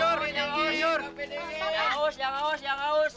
jangan haus jangan haus